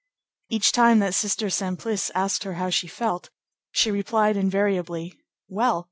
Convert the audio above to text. Each time that Sister Simplice asked her how she felt, she replied invariably, "Well.